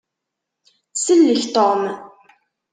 Sellek Tom!